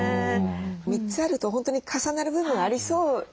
３つあると本当に重なる部分ありそうですね。